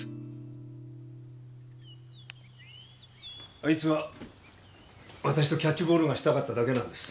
あいつはわたしとキャッチボールがしたかっただけなんです。